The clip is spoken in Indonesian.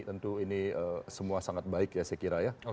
tentu ini semua sangat baik ya saya kira ya